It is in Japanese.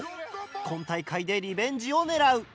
今大会でリベンジを狙う。